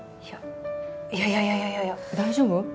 いやいやいやいや大丈夫？